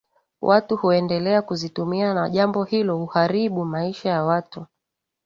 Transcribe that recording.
watu huendelea kuzitumia na jambo hilo huharibu maisha ya watu